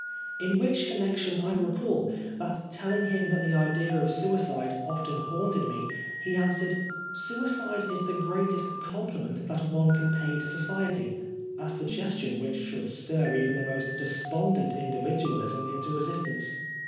In which connection I recall, that telling him that the idea of suicide often haunted me, he answered " Suicide is the greatest compliment that one can pay to society," a suggestion which should stir even the most despondent individualism into resistance.